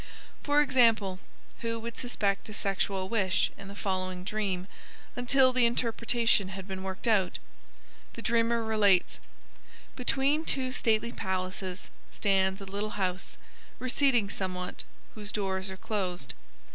For example, who would suspect a sexual wish in the following dream until the interpretation had been worked out? The dreamer relates: _Between two stately palaces stands a little house, receding somewhat, whose doors are closed.